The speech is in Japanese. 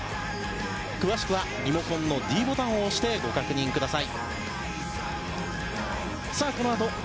詳しくはリモコンのｄボタンを押してご確認ください。